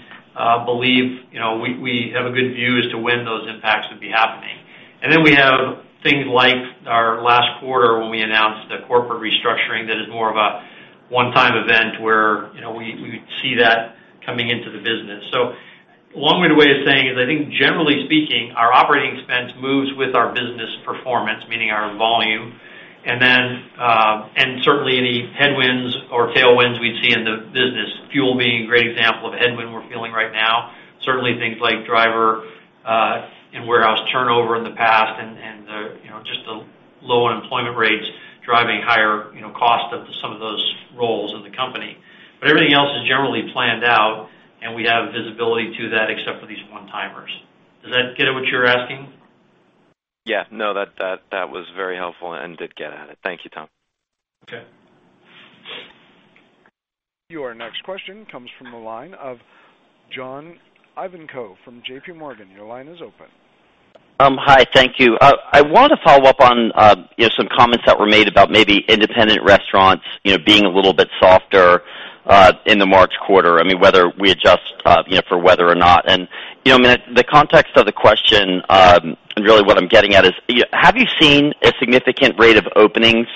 believe we have a good view as to when those impacts would be happening. We have things like our last quarter when we announced the corporate restructuring, that is more of a one-time event where we see that coming into the business. A long-winded way of saying is, I think generally speaking, our operating expense moves with our business performance, meaning our volume. Certainly any headwinds or tailwinds we'd see in the business, fuel being a great example of a headwind we're feeling right now. Certainly, things like driver and warehouse turnover in the past and just the low unemployment rates driving higher cost of some of those roles in the company. Everything else is generally planned out, and we have visibility to that, except for these one-timers. Does that get at what you're asking? Yeah. No, that was very helpful and did get at it. Thank you, Tom. Okay. Your next question comes from the line of John Ivankoe from JPMorgan. Your line is open. Hi, thank you. I want to follow up on some comments that were made about maybe independent restaurants being a little bit softer, in the March quarter. I mean, whether we adjust for weather or not. I mean, the context of the question, and really what I'm getting at is, have you seen a significant rate of openings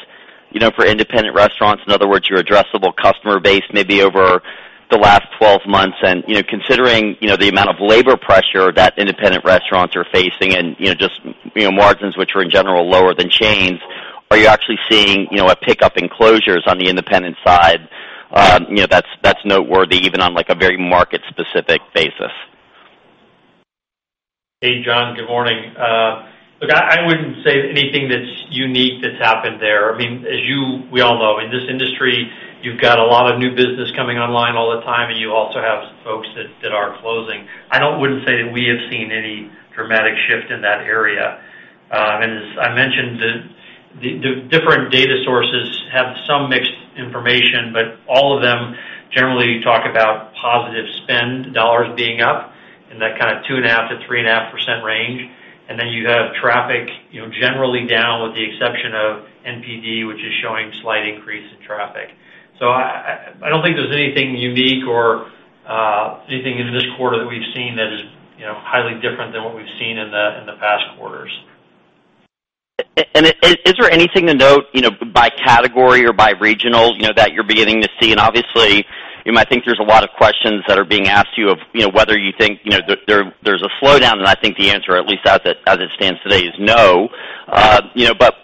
for independent restaurants? In other words, your addressable customer base, maybe over the last 12 months and considering the amount of labor pressure that independent restaurants are facing and just margins which are in general lower than chains. Are you actually seeing a pickup in closures on the independent side that's noteworthy even on a very market-specific basis? Hey, John, good morning. Look, I wouldn't say anything that's unique that's happened there. As we all know, in this industry, you've got a lot of new business coming online all the time, and you also have folks that are closing. I wouldn't say that we have seen any dramatic shift in that area. As I mentioned, the different data sources have some mixed information, but all of them generally talk about positive spend dollars being up in that kind of 2.5%-3.5% range. Then you have traffic generally down with the exception of NPD, which is showing slight increase in traffic. I don't think there's anything unique or anything in this quarter that we've seen that is highly different than what we've seen in the past quarters. Is there anything to note by category or by regional that you're beginning to see? Obviously, I think there's a lot of questions that are being asked to you of whether you think there's a slowdown, and I think the answer, at least as it stands today, is no.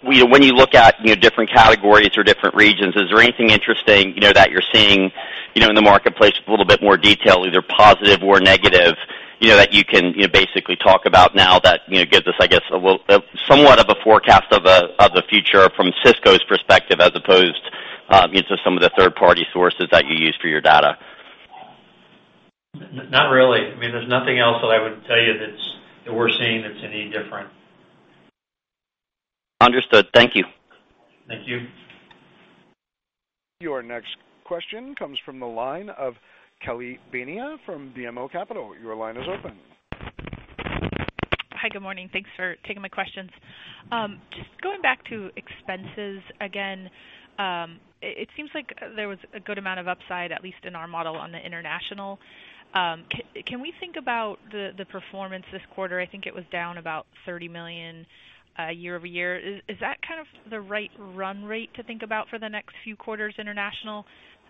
When you look at different categories or different regions, is there anything interesting that you're seeing in the marketplace with a little bit more detail, either positive or negative, that you can basically talk about now that gives us, I guess, somewhat of a forecast of the future from Sysco's perspective as opposed to some of the third-party sources that you use for your data? Not really. I mean, there's nothing else that I would tell you that we're seeing that's any different. Understood. Thank you. Thank you. Your next question comes from the line of Kelly Bania from BMO Capital. Your line is open. Hi. Good morning. Thanks for taking my questions. Just going back to expenses again. It seems like there was a good amount of upside, at least in our model on the international. Can we think about the performance this quarter? I think it was down about $30 million year-over-year. Is that kind of the right run rate to think about for the next few quarters international?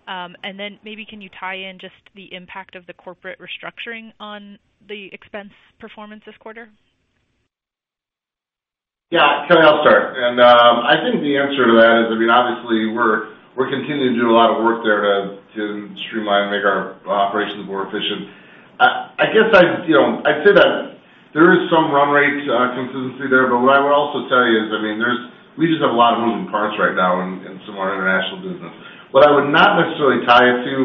Then maybe can you tie in just the impact of the corporate restructuring on the expense performance this quarter? Yeah, Kelly, I'll start. I think the answer to that is, obviously, we're continuing to do a lot of work there to streamline and make our operations more efficient. I'd say that there is some run rate consistency there. What I would also tell you is, we just have a lot of moving parts right now in some of our international business. What I would not necessarily tie it to,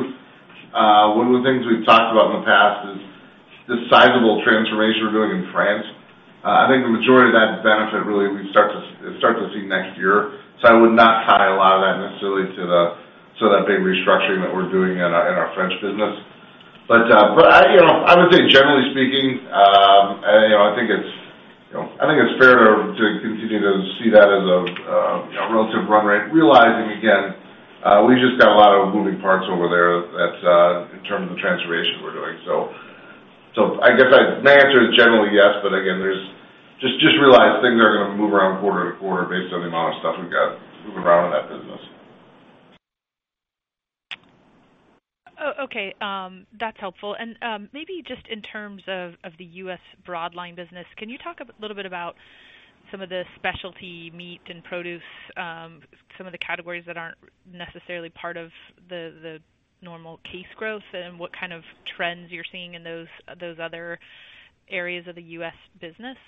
one of the things we've talked about in the past is this sizable transformation we're doing in France. I think the majority of that benefit really we'd start to see next year. I would not tie a lot of that necessarily to that big restructuring that we're doing in our French business. I would say, generally speaking, I think it's fair to continue to see that as a relative run rate, realizing, again, we've just got a lot of moving parts over there in terms of the transformation we're doing. I guess my answer is generally yes but again, just realize things are going to move around quarter-to-quarter based on the amount of stuff we've got moving around in that business. Okay. That's helpful. Maybe just in terms of the U.S. broad line business, can you talk a little bit about some of the specialty meat and produce, some of the categories that aren't necessarily part of the normal case growth, and what kind of trends you're seeing in those other areas of the U.S. business?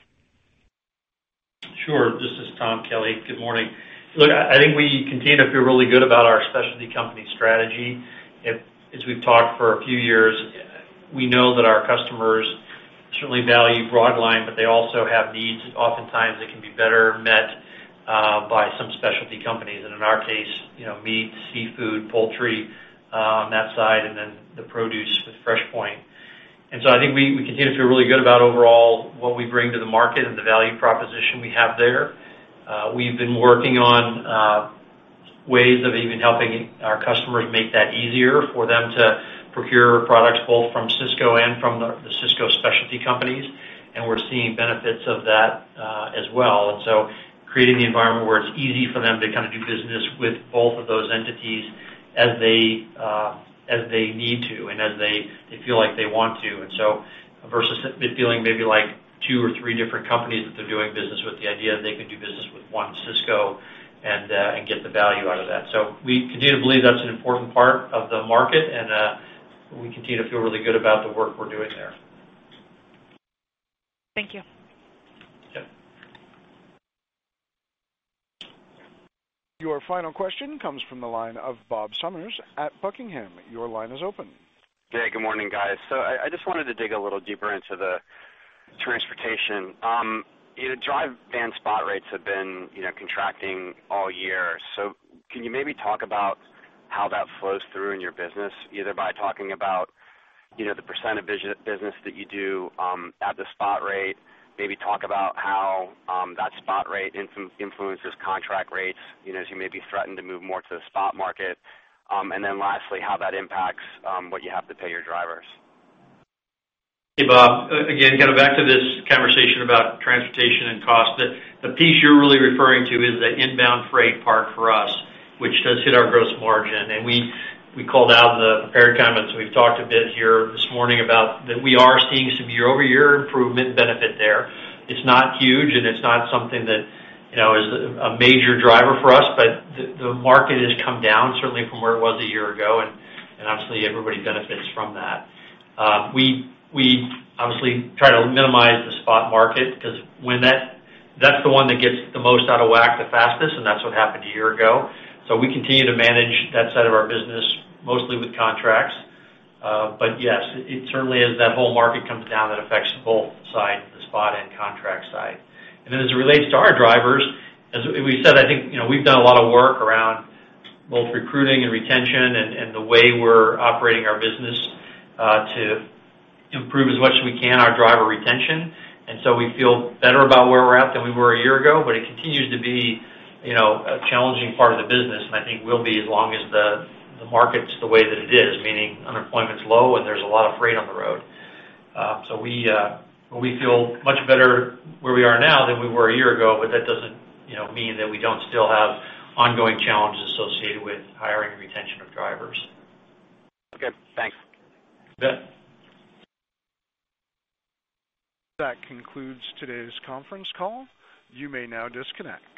Sure. This is Tom, Kelly. Good morning. I think we continue to feel really good about our specialty company strategy. As we've talked for a few years, we know that our customers certainly value broad line, but they also have needs oftentimes that can be better met by some specialty companies, and in our case, meat, seafood, poultry on that side, and then the produce with FreshPoint. I think we continue to feel really good about overall what we bring to the market and the value proposition we have there. We've been working on ways of even helping our customers make that easier for them to procure products both from Sysco and from the Sysco specialty companies, and we're seeing benefits of that as well. Creating the environment where it's easy for them to do business with both of those entities as they need to and as they feel like they want to, versus it feeling maybe like two or three different companies that they're doing business with, the idea that they can do business with one Sysco and get the value out of that. We continue to believe that's an important part of the market, and we continue to feel really good about the work we're doing there. Thank you. Yeah. Your final question comes from the line of Bob Summers at Buckingham. Your line is open. Yeah. Good morning, guys. I just wanted to dig a little deeper into the transportation. Dry van spot rates have been contracting all year. Can you maybe talk about how that flows through in your business, either by talking about the % of business that you do at the spot rate, maybe talk about how that spot rate influences contract rates, as you maybe threaten to move more to the spot market. Lastly, how that impacts what you have to pay your drivers. Hey, Bob. Again, back to this conversation about transportation and cost, the piece you're really referring to is the inbound freight part for us, which does hit our gross margin. We called out in the prepared comments, we've talked a bit here this morning about that we are seeing some year-over-year improvement benefit there. It's not huge, it's not something that is a major driver for us. The market has come down, certainly from where it was a year ago, obviously, everybody benefits from that. We obviously try to minimize the spot market, because that's the one that gets the most out of whack the fastest, that's what happened a year ago. We continue to manage that side of our business, mostly with contracts. Yes, it certainly is, that whole market comes down, that affects both sides, the spot and contract side. As it relates to our drivers, as we said, I think we've done a lot of work around both recruiting and retention and the way we're operating our business, to improve as much as we can our driver retention. We feel better about where we're at than we were a year ago, it continues to be a challenging part of the business, I think will be as long as the market's the way that it is, meaning unemployment's low, there's a lot of freight on the road. We feel much better where we are now than we were a year ago, that doesn't mean that we don't still have ongoing challenges associated with hiring and retention of drivers. Okay, thanks. Yeah. That concludes today's conference call. You may now disconnect.